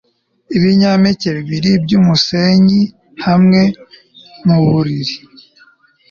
ibinyampeke bibiri byumusenyi hamwe muburiri